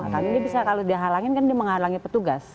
tapi dia bisa kalau dihalangin kan dia menghalangi petugas